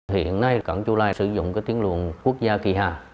hiện nay cảng chu lai sử dụng tiến luận quốc gia kỳ hạ